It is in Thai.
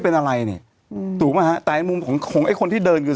เป็นอะไรนี่อืมถูกไหมฮะแต่ไอ้มุมของของไอ้คนที่เดินคือ